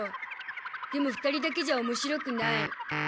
でも２人だけじゃ面白くない。